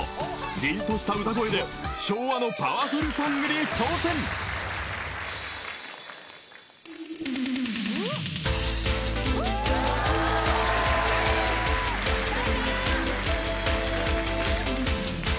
［りんとした歌声で昭和のパワフルソングに挑戦］足立！